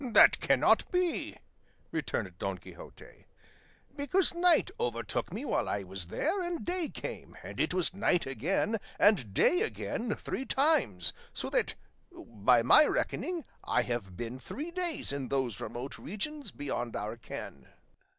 "That cannot be," returned Don Quixote, "because night overtook me while I was there, and day came, and it was night again and day again three times; so that, by my reckoning, I have been three days in those remote regions beyond our ken."